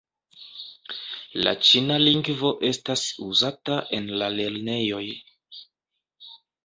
La ĉina lingvo estas uzata en la lernejoj.